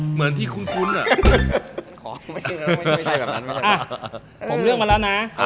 เหมือนที่คุ้มคุ้นอ่ะ